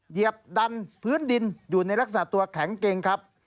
เหยียบดันพื้นดินอยู่ในลักษณะตัวแข็งเกงครับ